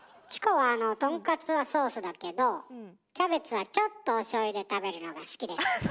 チコはあのとんかつはソースだけどキャベツはちょっとおしょうゆで食べるのが好きです。